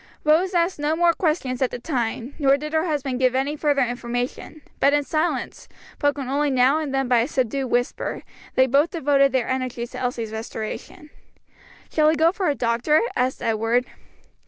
Rose asked no more questions at the time, nor did her husband give any further information, but in silence, broken only now and then by a subdued whisper, they both devoted their energies to Elsie's restoration. "Shall I go for a doctor?" asked Edward.